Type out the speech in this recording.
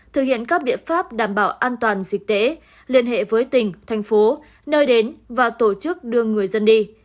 thực hiện các biện pháp đảm bảo an toàn dịch tễ liên hệ với tỉnh thành phố nơi đến và tổ chức đưa người dân đi